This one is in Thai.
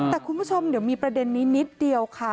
แต่คุณผู้ชมเดี๋ยวมีประเด็นนี้นิดเดียวค่ะ